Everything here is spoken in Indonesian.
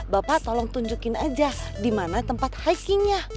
bapak tolong tunjukin aja di mana tempat hikingnya